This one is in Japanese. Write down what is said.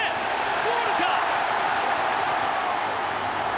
ボールか。